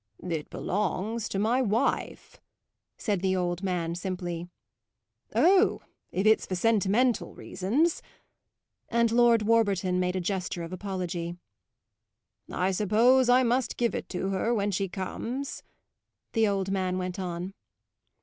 "It belongs to my wife," said the old man simply. "Oh, if it's for sentimental reasons " And Lord Warburton made a gesture of apology. "I suppose I must give it to her when she comes," the old man went on.